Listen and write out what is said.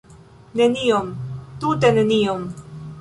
Nenion, tute nenion!